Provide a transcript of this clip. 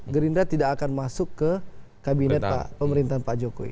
gerindra tidak akan masuk ke kabinet pemerintahan pak jokowi